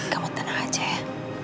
kamu tenang aja ya